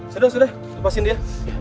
sudah sudah lepaskan dia